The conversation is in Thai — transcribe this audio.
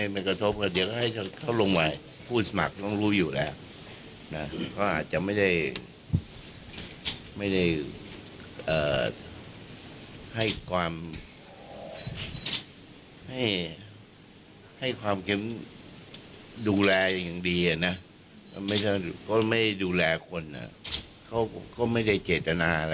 นักพลังประชาวรัฐ